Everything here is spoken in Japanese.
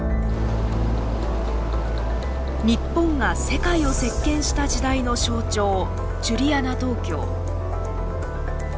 日本が世界を席巻した時代の象徴ジュリアナ東京。